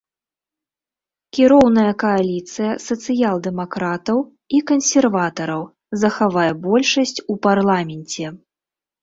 Кіроўная кааліцыя сацыял-дэмакратаў і кансерватараў захавае большасць у парламенце.